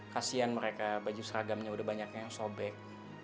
kasian mereka baju seragamnya udah banyak yang sobek